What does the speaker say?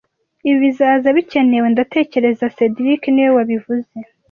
Ibi bizaza bikenewe, ndatekereza cedric niwe wabivuze